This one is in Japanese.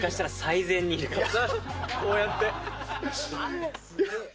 こうやって。